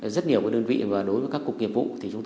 rất nhiều đơn vị và đối với các cục nghiệp vụ